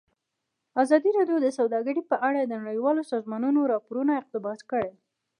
ازادي راډیو د سوداګري په اړه د نړیوالو سازمانونو راپورونه اقتباس کړي.